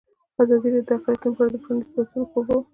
ازادي راډیو د اقلیتونه په اړه د پرانیستو بحثونو کوربه وه.